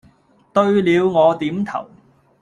對了我點頭，